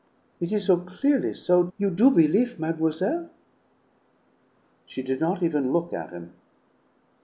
It is so clearly so; you do belief, mademoiselle?" She did not even look at him.